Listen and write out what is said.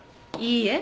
いいえ。